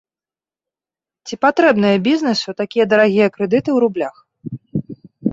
Ці патрэбныя бізнэсу такія дарагія крэдыты ў рублях?